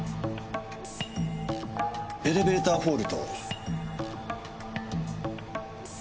エレベーターホールと。